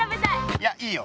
いやいいよ。